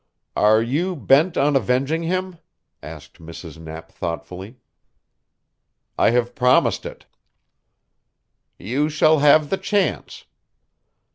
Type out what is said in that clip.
"You are bent on avenging him?" asked Mrs. Knapp thoughtfully. "I have promised it." "You shall have the chance.